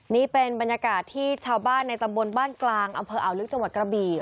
นี่เป็นบรรยากาศที่ชาวบ้านในตำบลบ้านกลางอำเภออ่าวลึกจังหวัดกระบี่